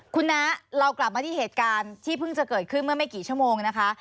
คุณน้าเรากลับมาที่เหตุการณ์ที่เพิ่งจะเกิดขึ้นเมื่อไม่กี่ชั่วโมงนะคะ